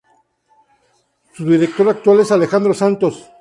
Su director actual es Alejandro Santos.